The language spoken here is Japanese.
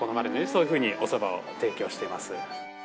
そういうふうにおそばを提供しています。